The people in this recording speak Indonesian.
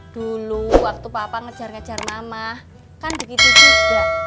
dulu waktu papa ngejar ngejar mama kan begitu juga